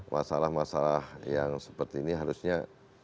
masalah masalah yang seperti ini harusnya